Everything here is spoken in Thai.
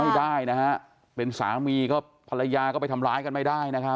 ไม่ได้นะฮะเป็นสามีก็ภรรยาก็ไปทำร้ายกันไม่ได้นะครับ